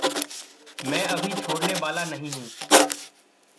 मैं अभी छोड़ने वाला नहीं हूँ।